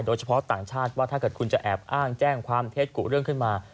โดยเฉพาะต่างชาติว่าถ้าเกิดคุณจะแอบอ้างแจ้งความเท็ตกุเรื่องขึ้นมา